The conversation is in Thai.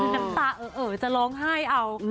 น้ำตาเอ่อจะร้องไห้เอา